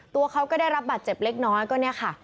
ตัวเขาก็ได้รับบาดเจ็บเล็กน้อยก็เนี่ยค่ะ